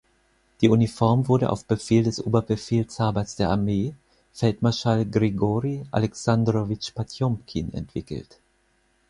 Die Uniform wurde auf Befehl des Oberbefehlshabers der Armee, Feldmarschall Grigori Alexandrowitsch Potjomkin entwickelt.